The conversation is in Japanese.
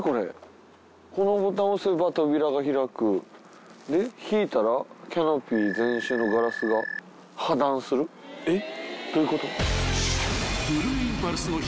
「このボタンを押せば扉が開く」で引いたら「キャノピー全周のガラスが破断する」えっ？